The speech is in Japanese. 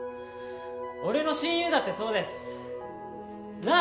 俺の親友だってそうですなぁ？